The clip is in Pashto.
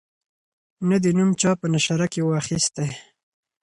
نه دي نوم چا په نشره کی وو اخیستی